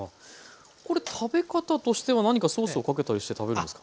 これ食べ方としては何かソースをかけたりして食べるんですか？